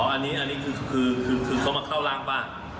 อันนี้คือเขามาเข้าร่างป้า